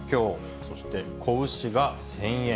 そして子牛が１０００円。